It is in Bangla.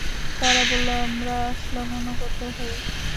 তারা বলল, আমরা আসলাম অনুগত হয়ে।